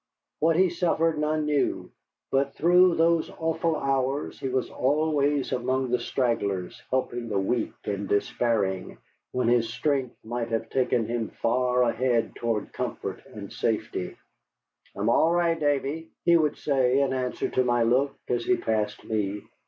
What he suffered none knew; but through those awful hours he was always among the stragglers, helping the weak and despairing when his strength might have taken him far ahead toward comfort and safety. "I'm all right, Davy," he would say, in answer to my look as he passed me.